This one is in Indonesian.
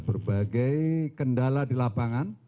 berbagai kendala di lapangan